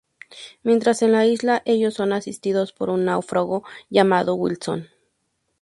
Mientras en la isla, ellos son asistidos por un náufrago llamado Wilson.